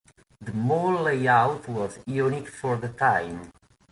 The mall layout was unique for the time.